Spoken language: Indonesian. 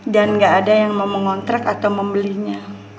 dan gak ada yang mau mengontrak atau membelinya